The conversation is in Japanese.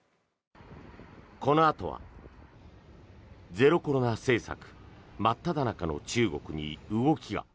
このあとはゼロコロナ政策真っただ中の中国に動きが。